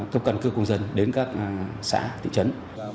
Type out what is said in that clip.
cấp căn cước công dân đến các xã thị trấn